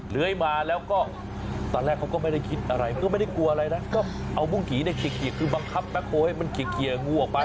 เลื้อยมาแล้วก็ตอนแรกเขาก็ไม่ได้คิดอะไรก็ไม่ได้กลัวอะไรนะก็เอามุ้งผีเนี่ยเขียคือบังคับแบ็คโฮลให้มันเคลียร์งูออกไป